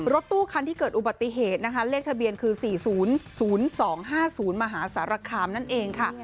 รถตู้คันที่เกิดอุบัติเหตุนะคะเลขทะเบียนคือ๔๐๐๒๕๐มหาสารคามนั่นเองค่ะ